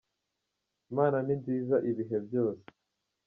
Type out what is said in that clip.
imana ni nziza ibihe byose